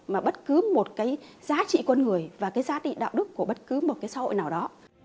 mà bất cứ một giá trị con người và giá trị đạo đức của bất cứ một xã hội nào đó